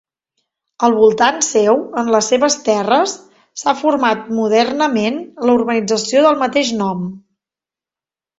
Al voltant seu, en les seves terres, s'ha format modernament la urbanització del mateix nom.